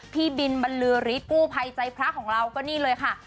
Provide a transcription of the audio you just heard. พี่บินบรรลือฤทธิกู้ภัยใจพระของเราก็นี่เลยค่ะ